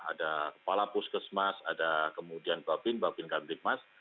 ada kepala puskesmas ada kemudian bapin bapin kantikmas